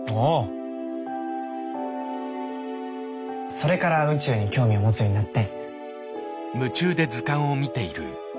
それから宇宙に興味を持つようになって。